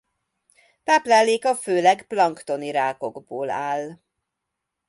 Tápláléka főleg planktoni rákokból áll.